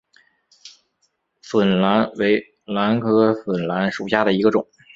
笋兰为兰科笋兰属下的一个种。